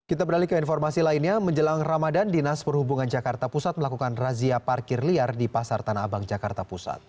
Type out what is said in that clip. kita beralih ke informasi lainnya menjelang ramadan dinas perhubungan jakarta pusat melakukan razia parkir liar di pasar tanah abang jakarta pusat